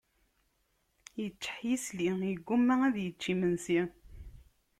Yeččeḥ yisli, yegguma ad yečč imensi.